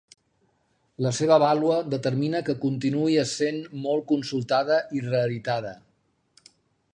La seva vàlua determina que continuï essent molt consultada i reeditada.